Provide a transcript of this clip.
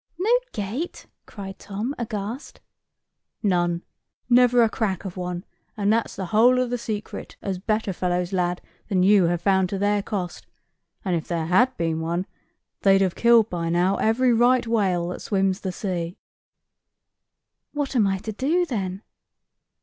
"No gate?" cried Tom, aghast. "None; never a crack of one, and that's the whole of the secret, as better fellows, lad, than you have found to their cost; and if there had been, they'd have killed by now every right whale that swims the sea." "What am I to do, then?"